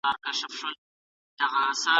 وېري سبب وو او له بده مرغه ډېر بېګناه هيوادوالو